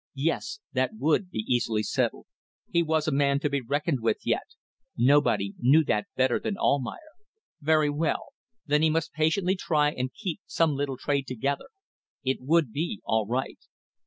Yes that would be easily settled. He was a man to be reckoned with yet. Nobody knew that better than Almayer. Very well. Then he must patiently try and keep some little trade together. It would be all right.